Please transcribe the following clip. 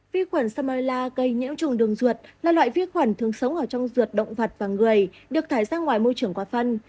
vi khuẩn salmila gây nhiễm trùng đường ruột là loại vi khuẩn thường sống ở trong ruột động vật và người được thải ra ngoài môi trường qua phân